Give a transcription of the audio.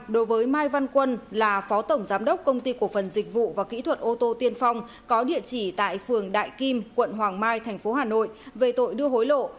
đối với mai văn quân là phó tổng giám đốc công ty cổ phần dịch vụ và kỹ thuật ô tô tiên phong có địa chỉ tại phường đại kim quận hoàng mai tp hà nội về tội đưa hối lộ